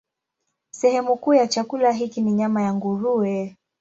Sehemu kuu ya chakula hiki ni nyama ya nguruwe.